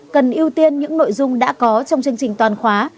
cần ưu tiên những nội dung đã có trong chương trình toàn khóa